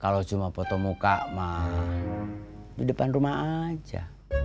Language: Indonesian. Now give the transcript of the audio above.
kalau cuma foto muka mah di depan rumah aja